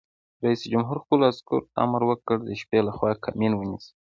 رئیس جمهور خپلو عسکرو ته امر وکړ؛ د شپې لخوا کمین ونیسئ!